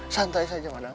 santai saja madam